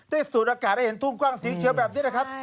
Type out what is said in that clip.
สูดอากาศให้เห็นทุ่งกว้างสีเขียวแบบนี้นะครับ